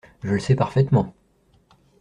Je le sais parfaitement.